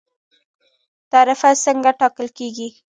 تعرفه څنګه ټاکل کیږي؟